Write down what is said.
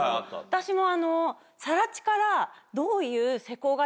私も。